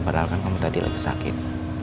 padahal kan kamu tadi lagi sakit